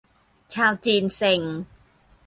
ชาวจีนเซ็ง !